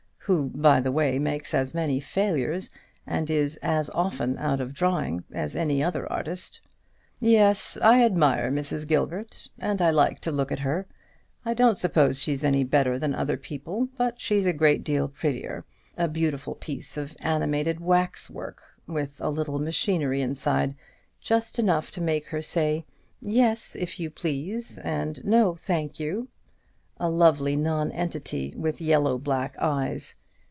who, by the way, makes as many failures, and is as often out of drawing, as any other artist. Yes, I admire Mrs. Gilbert, and I like to look at her. I don't suppose she's any better than other people, but she's a great deal prettier. A beautiful piece of animated waxwork, with a little machinery inside, just enough to make her say, 'Yes, if you please,' and 'No, thank you.' A lovely non entity with yellow black eyes.